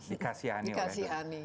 dikasihani oleh trump